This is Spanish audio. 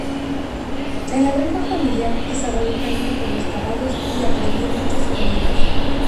En la granja familiar desarrolló cariño por los caballos y aprendió mucho sobre ellos.